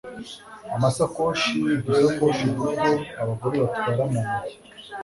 amasokoshi, udusakoshi duto abagore batwara mu ntoki